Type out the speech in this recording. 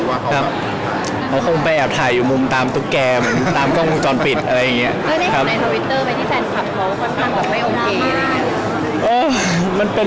อย่างที่บอกไปถ้าเขาไม่สบายใจก็อยากให้เขาอยู่จุดที่เขาสบายใจดี